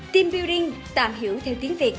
team building tạm hiểu theo tiếng việt